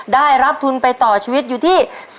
ได้รับทุนไปต่อชีวิตอยู่ที่